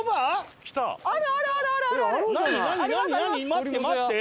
待って待って！